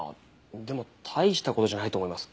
でも大した事じゃないと思います。